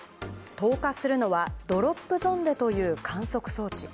投下するのは、ドロップゾンデという観測装置。